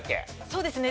そうですね。